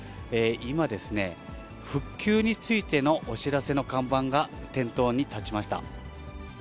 今ですね、復旧についてのお知らせの看板が店頭に立ちました。